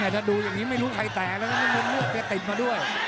ถ้าดูอย่างนี้ไม่รู้ใครแตกแล้วนะน้ำเงินเลือดแกติดมาด้วย